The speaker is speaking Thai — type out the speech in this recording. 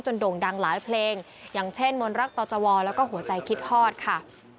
โด่งดังหลายเพลงอย่างเช่นมนรักต่อจวแล้วก็หัวใจคิดคลอดค่ะ